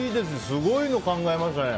すごいの考えましたね。